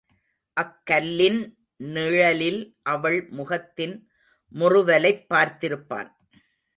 அக்கல்லின் நிழலில் அவள் முகத்தின் முறுவலைப் பார்த்திருப்பான்.